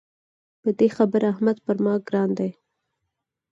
په دې خبره احمد پر ما ګران دی.